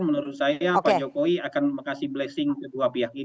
menurut saya pak jokowi akan mengasih blessing ke dua pihak ini